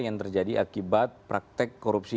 yang terjadi akibat praktek korupsi